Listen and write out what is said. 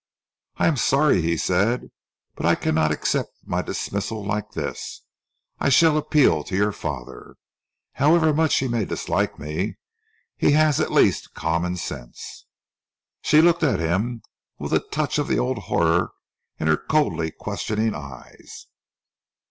"I am sorry," he said, "but I cannot accept my dismissal like this. I shall appeal to your father. However much he may dislike me, he has at least common sense." She looked at him with a touch of the old horror in her coldly questioning eyes.